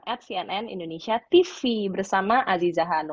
at cnn indonesia tv bersama aziza hano